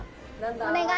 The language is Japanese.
「お願い！